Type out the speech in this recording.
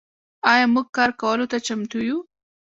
آیا موږ کار کولو ته چمتو یو؟